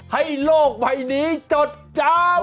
ให้โลกไฟหนีจดจำ